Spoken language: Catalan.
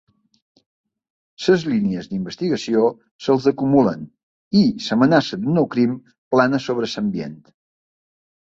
Les línies d'investigació se'ls acumulen i l'amenaça d'un nou crim plana sobre l'ambient.